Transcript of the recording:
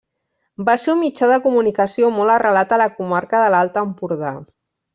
Va ser un mitjà de comunicació molt arrelat a la comarca de l'Alt Empordà.